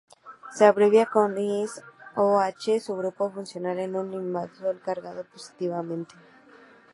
Se abrevia como His o H. Su grupo funcional es un imidazol cargado positivamente.